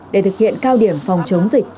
để thực hiện cao điểm phòng chống dịch